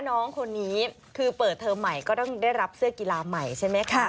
น้องคนนี้คือเปิดเทอมใหม่ก็ต้องได้รับเสื้อกีฬาใหม่ใช่ไหมคะ